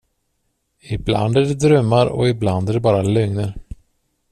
Ibland är det drömmar och ibland är det bara lögner.